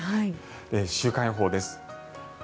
週間予報です。